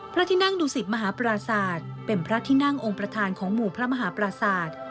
พระทินั่งดุสิบมหาปราสาทเป็นพระทินั่งองค์ประธานของหมู่พระมหาปราสาท